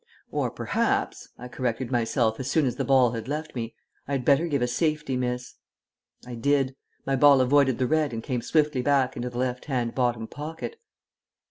"Or perhaps," I corrected myself, as soon as the ball had left me, "I had better give a safety miss." I did. My ball avoided the red and came swiftly back into the left hand bottom pocket.